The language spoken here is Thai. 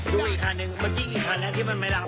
ดูอีกครั้งนึงเมื่อกี้กี่ครั้งแล้วที่มันไม่รับ